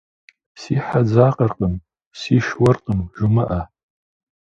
Си хьэ дзакъэркъым, сиш уэркъым жумыӏэ.